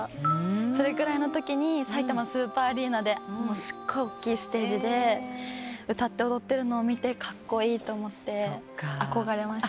それぐらいのときにさいたまスーパーアリーナですっごいおっきいステージで歌って踊ってるのを見てカッコイイと思って憧れました。